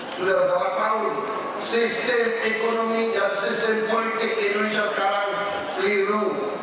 sudah berapa tahun sistem ekonomi dan sistem politik indonesia kalah seliru